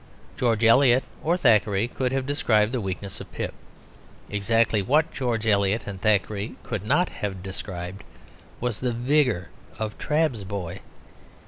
George Eliot or Thackeray could have described the weakness of Pip. Exactly what George Eliot and Thackeray could not have described was the vigour of Trabb's boy.